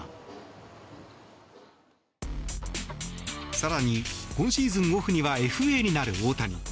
更に、今シーズンオフにはＦＡになる大谷。